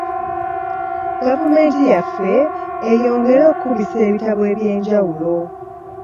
Gavumenti yaffe eyongere okukubisa ebitabo eby'enjawulo.